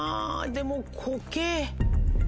でもコケ？